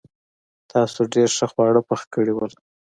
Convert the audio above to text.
تاسو ډېر ښه خواړه پخ کړي وو.